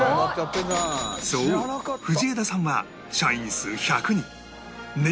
そう藤枝さんは社員数１００人年商４０億円